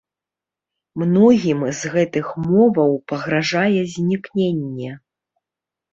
Многім з гэтых моваў пагражае знікненне.